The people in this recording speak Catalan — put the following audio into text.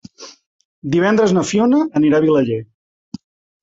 Divendres na Fiona anirà a Vilaller.